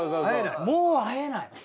もう会えない。